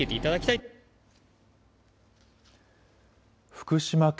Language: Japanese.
福島県